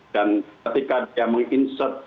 dan ketika dia menginsert